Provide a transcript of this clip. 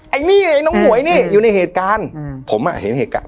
ไอ้นี่ไอ้น้องหมวยนี่อยู่ในเหตุการณ์อืมผมอ่ะเห็นเหตุการณ์